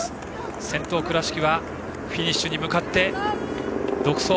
先頭、倉敷はフィニッシュに向かって独走。